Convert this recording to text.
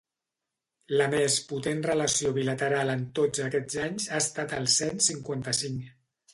La més potent relació bilateral en tots aquests anys ha estat el cent cinquanta-cinc.